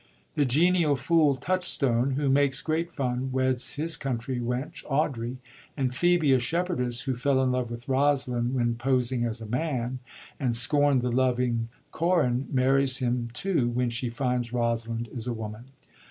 The genial fool Touchstone, who makes great fun, weds his country wench Audrey ; and Phebe, a shepherdess, who fell in love with Rosalind when posing as a man, and scomd the loving Corin, marries him too when she finds Rosalind is a woman.